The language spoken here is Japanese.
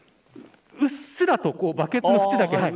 うっすらとバケツの縁だけ。